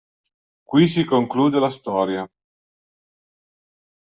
Qui si conclude la storia.